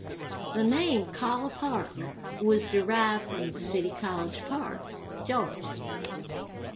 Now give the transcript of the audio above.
The name "Collipark" was derived from the city College Park, Georgia.